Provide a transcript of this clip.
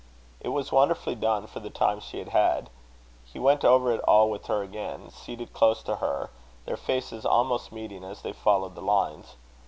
It was wonderfully done for the time she had had. He went over it all with her again, seated close to her, their faces almost meeting as they followed the lines.